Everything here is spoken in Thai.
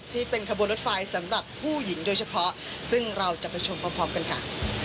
ที่เป็นขบวนรถไฟสำหรับผู้หญิงโดยเฉพาะซึ่งเราจะไปชมพร้อมกันค่ะ